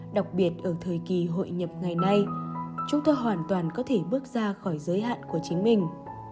đặc biệt ở thời kỳ hội nhập ngày nay chúng tôi hoàn toàn có thể bước ra khỏi giới hạn của chính mình